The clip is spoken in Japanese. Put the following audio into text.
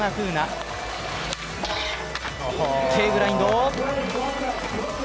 Ｋグラインド。